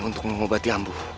untuk mengobati ampun